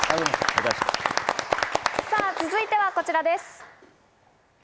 続いてはこちらです。